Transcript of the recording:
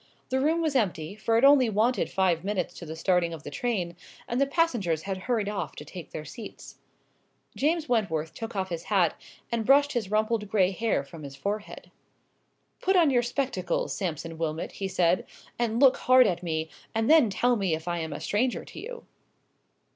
The room was empty, for it only wanted five minutes to the starting of the train, and the passengers had hurried off to take their seats. James Wentworth took off his hat, and brushed his rumpled grey hair from his forehead. "Put on your spectacles, Sampson Wilmot," he said, "and look hard at me, and then tell me if I am a stranger to you."